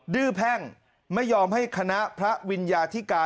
ดื้อแพ่งไม่ยอมให้คณะพระวิญญาธิกา